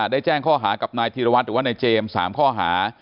ได้แจ้งข้อหากับนายธีรวัตรหรือว่านายเจมส์๓ข้อหา